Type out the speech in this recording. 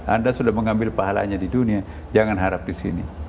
anda sudah mengambil pahalanya di dunia jangan harap di sini